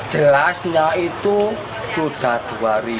jelasnya itu sudah dua ribu dua belas